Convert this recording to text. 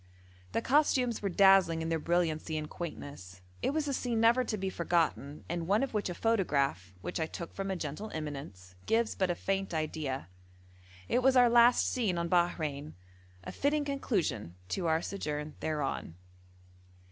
The costumes were dazzling in their brilliancy and quaintness. It was a scene never to be forgotten, and one of which a photograph, which I took from a gentle eminence, gives but a faint idea. It was our last scene on Bahrein a fitting conclusion to our sojourn thereon.